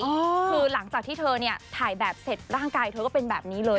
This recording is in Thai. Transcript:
คือหลังจากที่เธอเนี่ยถ่ายแบบเสร็จร่างกายเธอก็เป็นแบบนี้เลย